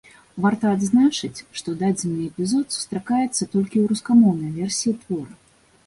Варта адзначыць, што дадзены эпізод сустракаецца толькі ў рускамоўнай версіі твора.